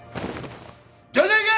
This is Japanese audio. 出ていけ！